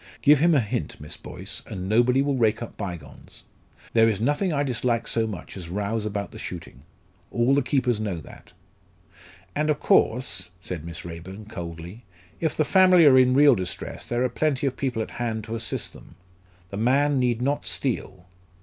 "Give him a hint, Miss Boyce, and nobody will rake up bygones. There is nothing I dislike so much as rows about the shooting. All the keepers know that." "And of course," said Miss Raeburn, coldly, "if the family are in real distress there are plenty of people at hand to assist them. The man need not steal."